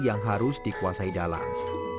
yang harus dikuasai dalang